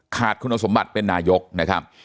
ขาดคุณสมบัติเป็นนายกนะครับ